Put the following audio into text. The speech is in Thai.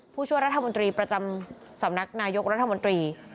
ผู้ช่วยรัฐมนตรีประจำสำนักนายกรัฐมนตรี